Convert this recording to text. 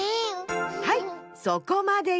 はいそこまでよ。